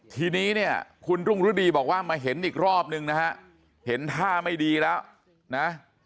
ทีนี้เนี่ยคุณรุ่งฤดีบอกว่ามาเห็นอีกรอบนึงนะฮะเห็นท่าไม่ดีแล้วนะ